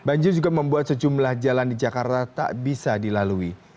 banjir juga membuat sejumlah jalan di jakarta tak bisa dilalui